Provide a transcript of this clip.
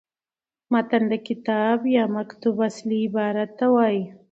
متن د کتاب یا مکتوت اصلي عبارت ته وايي.